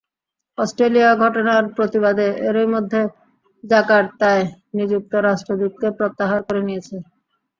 Australia ঘটনার প্রতিবাদে এরই মধ্যে জাকার্তায় নিযুক্ত রাষ্ট্রদূতকে প্রত্যাহার করে নিয়েছে।